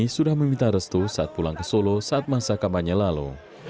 sudah meminta restu saat pulang ke solo saat masa kampanye lalu